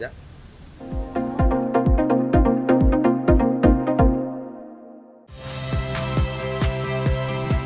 pesan dari pak mohamed